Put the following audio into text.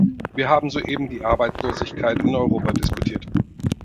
Wir haben soeben die Arbeitslosigkeit in Europa diskutiert.